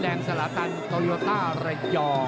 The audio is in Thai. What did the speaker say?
แดงสละตันตรวจต้าระยอง